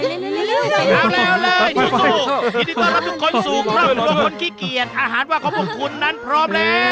ยินดีต้อนรับทุกคนสู่กรับ